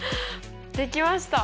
できました。